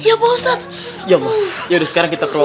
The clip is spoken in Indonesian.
ya allah yaudah sekarang kita keluar